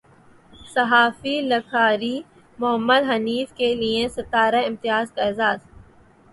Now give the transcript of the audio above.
صحافی لکھاری محمد حنیف کے لیے ستارہ امتیاز کا اعزاز